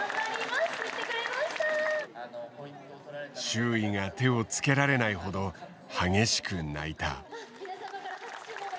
周囲が手をつけられないほど激しく泣いた。